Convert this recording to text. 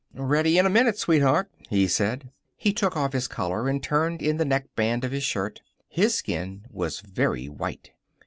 "Ready in a minute, sweetheart," he said. He took off his collar and turned in the neckband of his shirt. His skin was very white.